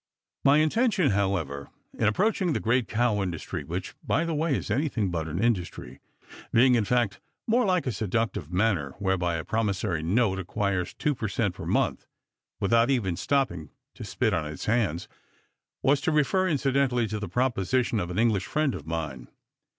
My intention, however, in approaching the great cow industry, which, by the way, is anything but an industry, being in fact more like the seductive manner whereby a promissory note acquires 2 per cent. per month without even stopping to spit on its hands, was to refer incidentally to the proposition of an English friend of mine.